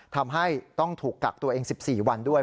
ทำให้ต้องถูกกักตัวเอง๑๔วันด้วย